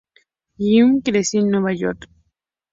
Schmitt creció en Nueva York.